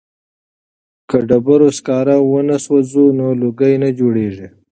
که ډبرو سکاره ونه سوځوو نو لوګی نه جوړیږي.